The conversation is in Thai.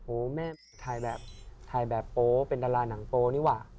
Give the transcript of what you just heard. โอ้แม่ถ่ายแบบโปรเป็นดาราหนังโปรนี่วะ